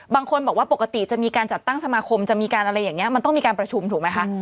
บางคนบอกว่าปกติจะมีการจัดตั้งสมาคมมันต้องมีการประชุมถูกไหมคะ